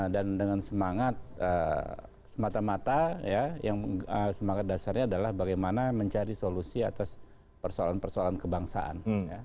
dan dengan semangat semata mata semangat dasarnya adalah bagaimana mencari solusi atas persoalan persoalan kebangsaan